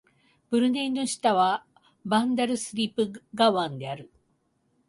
ブルネイの首都はバンダルスリブガワンである